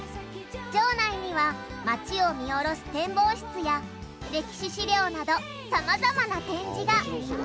城内には町を見下ろす展望室や歴史資料などさまざまな展示が。